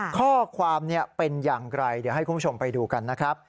ข้อความเป็นอย่างไรเดี๋ยวให้คุณผู้ชมไปดูกันนะครับ